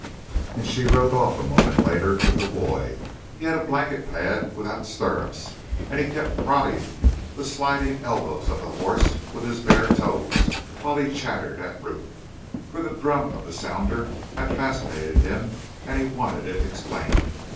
And she rode off a moment later with the boy. He had a blanket pad without stirrups, and he kept prodding the sliding elbows of the horse with his bare toes while he chattered at Ruth, for the drum of the sounder had fascinated him and he wanted it explained.